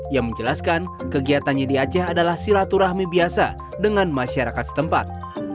yang menjelaskan kegiatannya di aceh adalah silaturahmi biasa dengan masyarakat setempat